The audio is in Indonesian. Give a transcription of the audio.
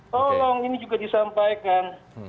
tolong ini juga disampaikan